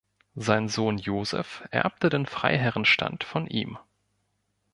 Sein Sohn Joseph erbte den Freiherrenstand von ihm.